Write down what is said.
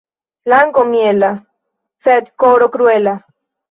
Lango miela, sed koro kruela.